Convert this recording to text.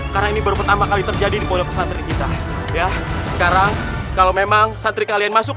karena ini baru pertama kali terjadi di pondok kesantri kita ya sekarang kalau memang santri kalian masuk